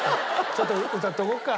ちょっと歌っとこうか。